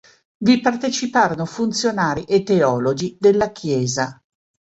Vi parteciparono funzionari e teologi della Chiesa.